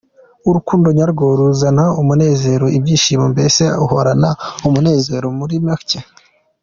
Urukundo nyarwo ruzana umunezero, ibyishimo, mbese uhorana umunezero muri make.